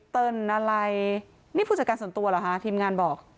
อะไรนี่ผู้จัดการส่วนตัวเหรอคะทีมงานบอก